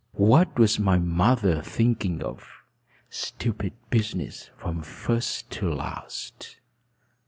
What was my mother thinking of? Stupid business from first to last."